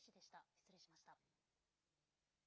失礼しました。